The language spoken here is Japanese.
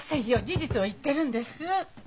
事実を言ってるんです。